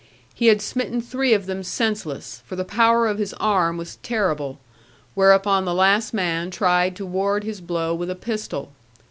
He had smitten three of them senseless, for the power of his arm was terrible; whereupon the last man tried to ward his blow with a pistol.